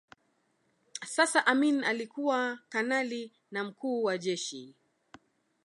Sasa Amin alikuwa kanali na mkuu wa jeshi